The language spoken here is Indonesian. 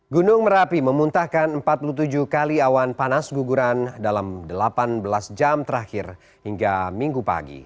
gunung merapi memuntahkan empat puluh tujuh kali awan panas guguran dalam delapan belas jam terakhir hingga minggu pagi